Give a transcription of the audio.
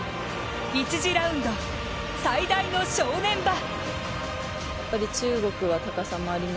１次ラウンド、最大の正念場。